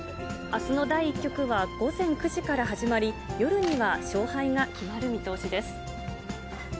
あすの第１曲は、午前９時から始まり、夜には勝敗が決まる見通しです。